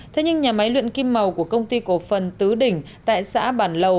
thế nhưng nhà máy luyện kim màu của công ty cổ phần tứ đỉnh tại xã bản lầu